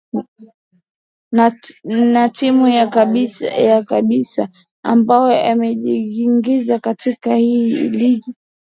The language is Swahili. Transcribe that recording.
na timu ya kabisa ambayo imejiingiza katika hii ligi